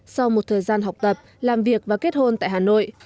sau một thời gian học tập làm việc và kết hôn tại hà nội